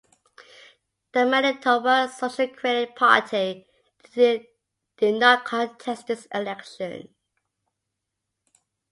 The Manitoba Social Credit Party did not contest this election.